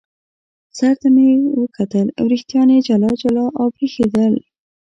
سر ته مې یې وکتل، وریښتان یې جلا جلا او برېښېدل.